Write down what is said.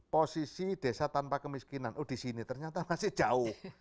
posisi desa tanpa kemiskinan oh di sini ternyata masih jauh